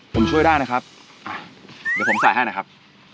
ผมช่วยได้นะครับเดี๋ยวผมจ่ายให้นะครับ